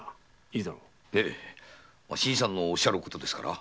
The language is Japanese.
新さんのおっしゃることですから。